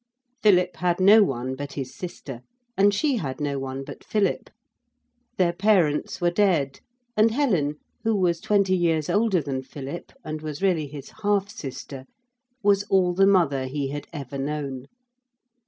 Philip had no one but his sister, and she had no one but Philip. Their parents were dead, and Helen, who was twenty years older than Philip and was really his half sister, was all the mother he had ever known.